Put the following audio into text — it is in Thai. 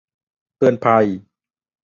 เตือนภัย !